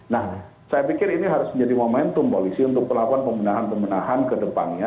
nah saya pikir ini harus menjadi momentum polisi untuk melakukan pembenahan pembenahan ke depannya